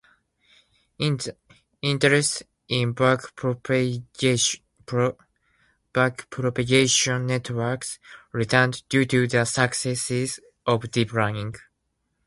Interest in backpropagation networks returned due to the successes of deep learning.